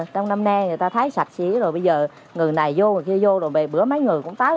trong năm nay người ta thấy sạch xí rồi bây giờ người này vô kia vô rồi bề bữa mấy người cũng tới